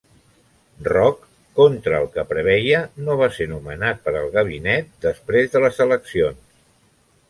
Roch, contra el que preveia, no va ser nomenat per al gabinet després de les eleccions.